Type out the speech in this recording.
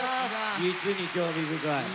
実に興味深い。